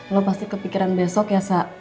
lu pasti kepikiran besok ya sa